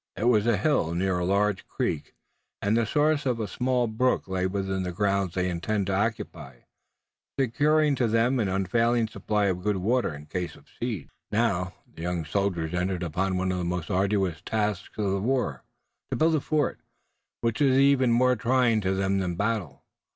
It was a hill near a large creek, and the source of a small brook lay within the grounds they intended to occupy, securing to them an unfailing supply of good water in case of siege. Now, the young soldiers entered upon one of the most arduous tasks of the war, to build a fort, which was even more trying to them than battle.